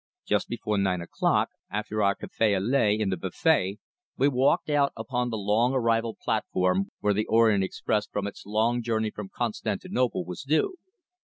Just before nine o'clock, after our café au lait in the buffet, we walked out upon the long arrival platform where the Orient Express from its long journey from Constantinople was due.